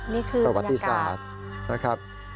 นี่คือประวัติศาสตร์นะครับ